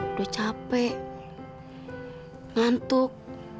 udah capek ngantuk